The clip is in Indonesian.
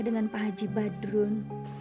dengan pak haji badrun